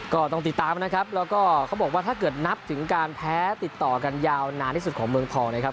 ก็ต้องติดตามนะครับแล้วก็เขาบอกว่าถ้าเกิดนับถึงการแพ้ติดต่อกันยาวนานที่สุดของเมืองทองนะครับ